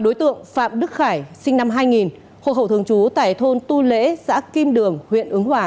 đối tượng phạm đức khải sinh năm hai nghìn hộ khẩu thường trú tại thôn tu lễ xã kim đường huyện ứng hòa